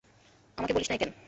আমাকে বলিস নাই কেন?